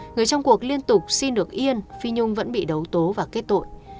người trong cuộc liên tục xin được yên phi nhung vẫn bị đấu tố và kết tội